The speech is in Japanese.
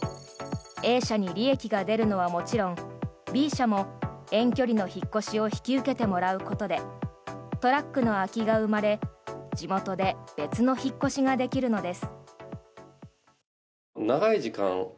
Ａ社に利益が出るのはもちろんＢ社も遠距離の引っ越しを引き受けてもらうことでトラックの空きが生まれ地元で別の引っ越しができるのです。